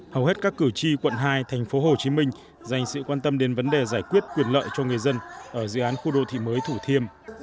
hầu hết các cử tri quận hai tp hcm dành sự quan tâm đến vấn đề giải quyết quyền lợi cho người dân ở dự án khu đô thị mới thủ thiêm